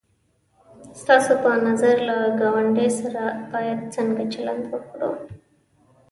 ستاسو په نظر له گاونډي سره باید څنگه چلند وکړو؟